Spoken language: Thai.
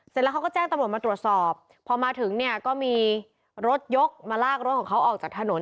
เสร็จแล้วเขาก็แจ้งตำรวจมาตรวจสอบพอมาถึงเนี่ยก็มีรถยกมาลากรถของเขาออกจากถนน